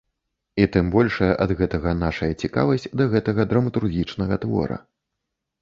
І тым большая ад гэтага наша цікавасць да гэтага драматургічнага твора.